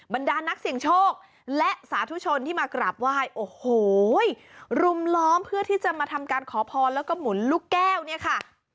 บรรดานักเสี่ยงโชคและสาธุชนที่มากราบไหว้โอ้โหรุมล้อมเพื่อที่จะมาทำการขอพรแล้วก็หมุนลูกแก้วเนี่ยค่ะ